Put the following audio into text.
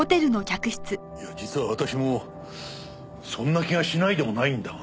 いや実は私もそんな気がしないでもないんだが。